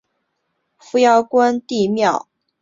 扶摇关帝庙始建于明万历二十八年两次重修。